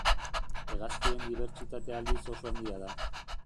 Hegaztien dibertsitatea aldiz oso handia da.